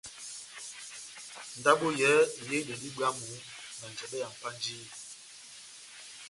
Ndabo yɛ́hɛ́pi eyehidɛndi bwámu na njɛbɛ ya Mpanjiyi.